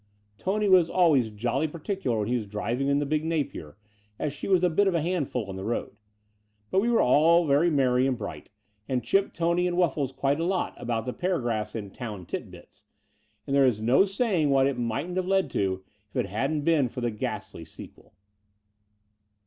Tony was always jolly particular when he was driving the big Napier, as she was a bit of a handful on the road. But we were all very merry and bright, and chipped Tony and Wuffles quite a lot about the paragraphs in Town Tit Bits; and there is no saying what it mightn't have led to, if it hadn't been for the ghastly sequel.